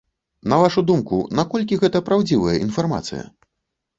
На вашу думку, наколькі гэта праўдзівая інфармацыя?